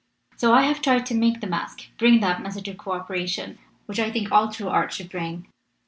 "So I have tried to make the masque bring that message of co operation which I think all true art should bring.